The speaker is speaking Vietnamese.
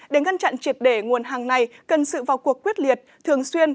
để ngăn chặn triệt để nguồn hàng này cần sự vào cuộc quyết liệt thường xuyên